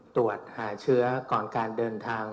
ตรวจหาเชื้อก่อนการเดินทาง